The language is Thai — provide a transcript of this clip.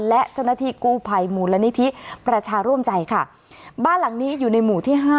และเจ้าหน้าที่กู้ภัยมูลนิธิประชาร่วมใจค่ะบ้านหลังนี้อยู่ในหมู่ที่ห้า